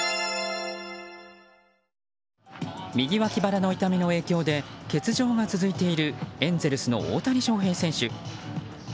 右脇腹の痛みの影響で欠場が続いているエンゼルスの大谷翔平選手。